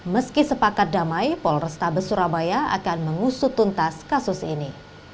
meski sepakat damai polrestabes surabaya akan mengusutuntas kasus ini